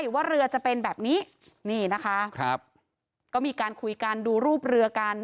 ว่าเรือจะเป็นแบบนี้นี่นะคะครับก็มีการคุยกันดูรูปเรือกัน